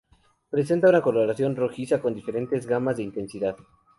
Presenta una coloración rojiza con diferentes gamas de intensidad.